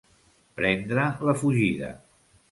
Prendre la fugida.